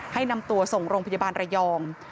ให้นำตัวส่งโรงพยาบาลระยอง